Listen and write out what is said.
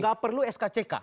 gak perlu skck